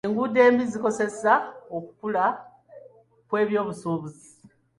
Enguudo embi zikosa okukula kw'ebyobusuubuzi.